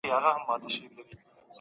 اسلامي ټولنه یو وجود دی.